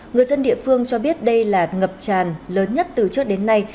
người dân địa phương cho biết đây là ngập tràn lớn nhất từ trước đến nay